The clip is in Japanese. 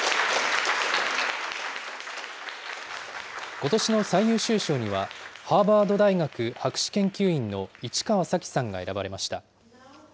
ことしの最優秀賞には、ハーバード大学博士研究員の市川早紀さんが選ばれました。